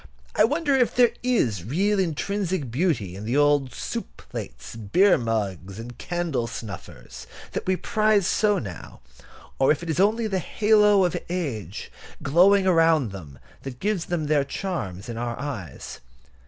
I wonder if there is real intrinsic beauty in the old soup plates, beer mugs, and candle snuffers that we prize so now, or if it is only the halo of age glowing around them that gives them their charms in our eyes.